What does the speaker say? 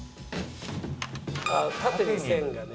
縦に線がね。